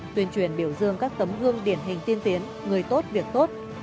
tuyên truyền biểu dương các tấm gương điển hình tiên tiến người tốt việc tốt